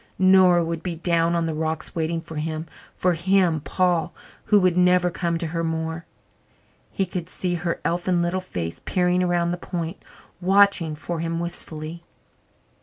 Nora would be down on the rocks waiting for him for him, Paul, who would never come to her more. He could see her elfin little face peering around the point, watching for him wistfully.